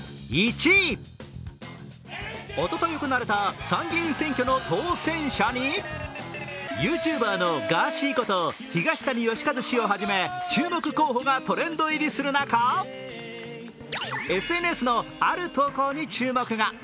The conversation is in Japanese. おととい行われた参議院選挙の当選者にＹｏｕＴｕｂｅｒのガーシーこと東谷義和氏、注目候補がトレンド入りする中、ＳＮＳのある投稿に注目が。